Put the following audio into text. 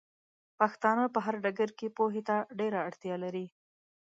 پښتانۀ په هر ډګر کې پوهې ته ډېره اړتيا لري